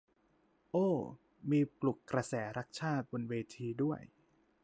โอ้ มีปลุกกระแสรักชาติบนเวทีด้วย